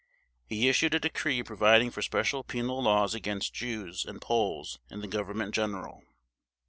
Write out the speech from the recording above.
He issued a decree providing for special penal laws against Jews and Poles in the Government General.